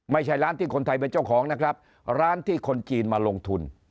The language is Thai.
ไม่ใช่ร้านที่คนไทยเป็นเจ้าของนะครับร้านที่คนจีนมาลงทุน